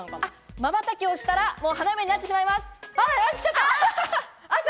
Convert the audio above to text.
まばたきをしたら、花嫁になってしまいます。